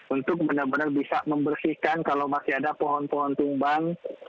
untuk benar benar bisa membersihkan kalau masih ada pohon pohon tumbang